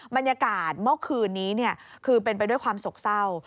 บรรยากาศเมื่อคืนนี้คือเป็นไปด้วยความโศกเศร้า